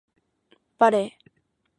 バレー